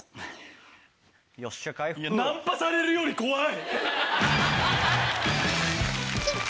ナンパされるより怖い。